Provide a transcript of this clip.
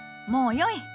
もうよい！